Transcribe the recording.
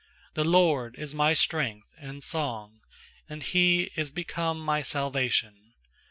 14The LORD is my strength and song; And He is become my salvation.